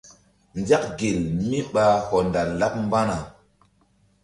Nzak gel mí ɓa hɔndal laɓ mbana.